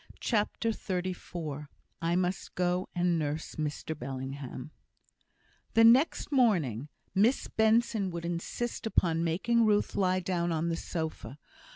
CHAPTER XXXIV "I Must Go and Nurse Mr Bellingham" The next morning, Miss Benson would insist upon making Ruth lie down on the sofa.